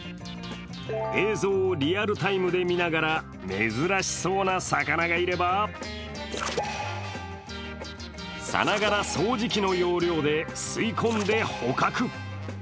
映像をリアルタイムで見ながら珍しそうな魚がいればさながら掃除機の要領で吸い込んで捕獲。